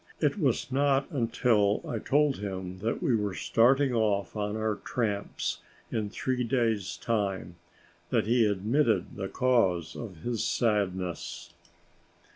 It was not until I told him that we were starting off on our tramps in three days' time, that he admitted the cause of his sadness.